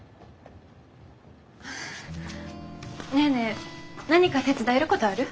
ネーネー何か手伝えることある？